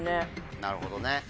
なるほどね。